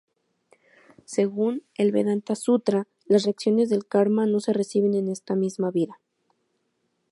Según el "Vedanta-sutra" las reacciones del karma no se reciben en esta misma vida.